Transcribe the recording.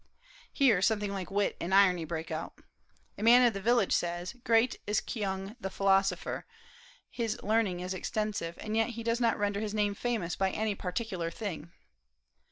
Here something like wit and irony break out: "A man of the village said, 'Great is K'ung the philosopher; his learning is extensive, and yet he does not render his name famous by any particular thing.'